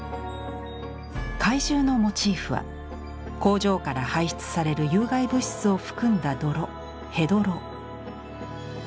怪獣のモチーフは工場から排出される有害物質を含んだ泥「ヘドロ」。